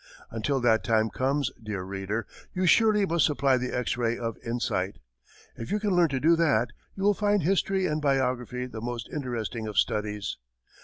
Until that time comes, dear reader, you yourself must supply the X ray of insight. If you can learn to do that, you will find history and biography the most interesting of studies.